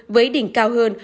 với đỉnh cao hơn